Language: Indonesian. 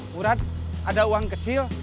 murad ada uang kecil